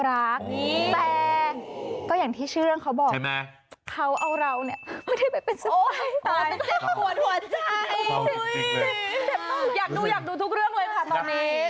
อยากดูอยากดูทุกเรื่องเลยค่ะตอนนี้